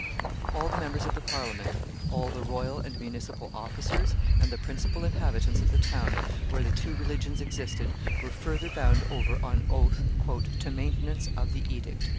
All the members of the Parliament, all the royal and municipal officers, and the principal inhabitants of the towns where the two religions existed were further bound over on oath "to maintenance of the edict."